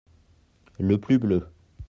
Le plus bleu.